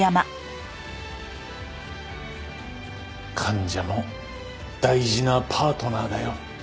患者も大事なパートナーだよ。